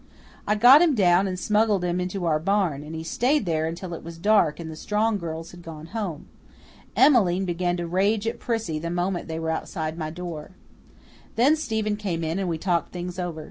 I got him down and smuggled him into our barn, and he stayed there until it was dark and the Strong girls had gone home. Emmeline began to rage at Prissy the moment they were outside my door. Then Stephen came in and we talked things over.